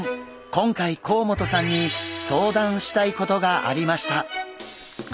今回甲本さんに相談したいことがありました。